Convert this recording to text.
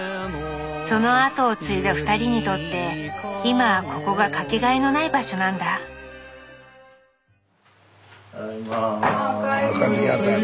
その後を継いだ２人にとって今はここが掛けがえのない場所なんだあおかえり。